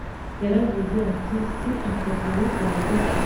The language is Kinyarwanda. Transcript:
yaravuze iti si akaguru baguca